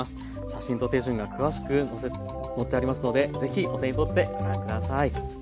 写真と手順が詳しく載っていますのでぜひお手にとってご覧ください。